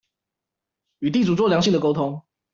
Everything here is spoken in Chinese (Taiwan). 與地主做良性的溝通